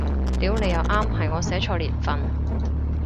屌你又啱，係我寫錯年份